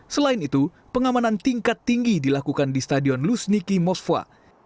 selain itu pengamanan tingkat tinggi dilakukan di stadion luzniki moskwa